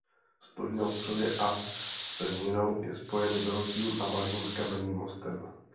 Stojí na ostrově a s „pevninou“ je spojen Velkým a Malým kamenným mostem.